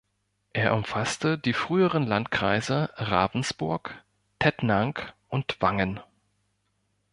Er umfasste die früheren Landkreise Ravensburg, Tettnang und Wangen.